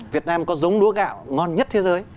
việt nam có giống lúa gạo ngon nhất thế giới